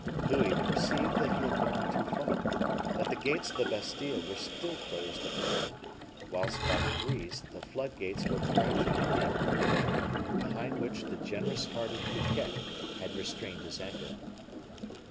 Louis perceived that he had gone too far; that the gates of the Bastile were still closed upon him, whilst, by degrees, the floodgates were gradually being opened, behind which the generous hearted Fouquet had restrained his anger.